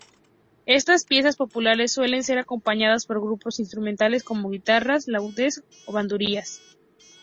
Estas piezas populares suelen ser acompañadas por grupos instrumentales como guitarras, laudes o bandurrias.